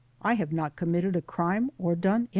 I have not committed a crime or done anything."